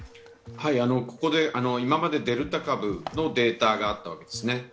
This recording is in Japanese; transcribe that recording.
ここで、今までデルタ株のデータがあったわけですね。